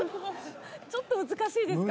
ちょっと難しいですかね？